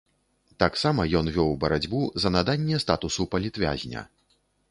Таксама ён вёў барацьбу за наданне статусу палітвязня.